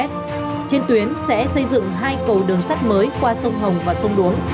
trên tuyến sẽ xây dựng hai cầu đường sắt mới qua sông hồng và sông đuống